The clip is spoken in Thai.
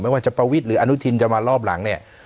ว่าจะประวิทย์หรืออนุทินจะมารอบหลังเนี่ย